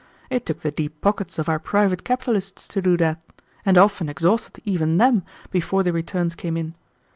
It took the deep pockets of our private capitalists to do that, and often exhausted even them before the returns came in.